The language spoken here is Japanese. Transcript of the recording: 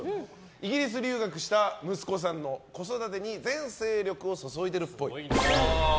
イギリス留学した息子さんの子育てに全精力を注いでいるっぽい。